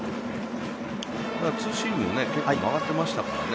ツーシーム結構曲がってましたからね